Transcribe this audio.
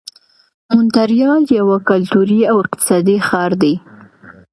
مونټریال یو کلتوري او اقتصادي ښار دی.